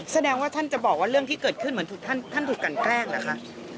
แสดงว่าท่านจะบอกว่าเรื่องที่เกิดขึ้นเหมือนถูกท่านถูกกันแกล้งเหรอคะ